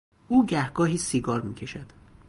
او گهگاهی سیگار میکشد.